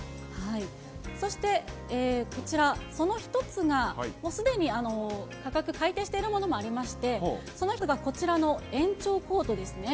そして、こちら、その一つが、もうすでに価格改定しているものもありまして、その一つがこちらの延長コードですね。